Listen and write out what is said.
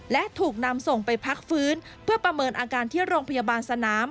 และถูกนำส่งไปพักฟื้นเพื่อประเมินอาการที่โรงพยาบาลสนาม